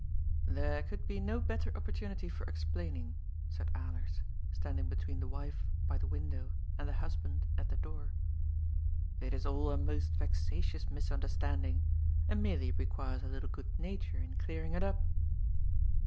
" Thebe could be no better opportunity for explaining," said Alers, standing between the wife by the window and the husband at the door. *^ It is all a most vexatious mis understanding and merely requires a little good nature in clearing it up."